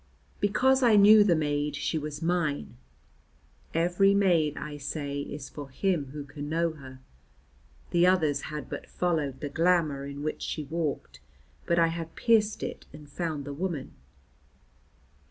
Because I knew the maid, she was mine. Every maid, I say, is for him who can know her. The others had but followed the glamour in which she walked, but I had pierced it and found the woman.